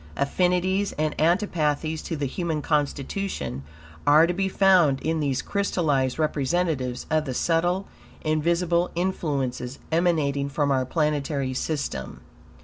Affinites and antipathies to the human constitution, are to be found in these crystallized representatives of the subtle, invisible influences emanating from our planetary system.